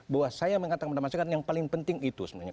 bahwa saya mengatakan kepada masyarakat yang paling penting itu sebenarnya